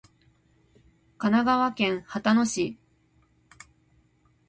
神奈川県秦野市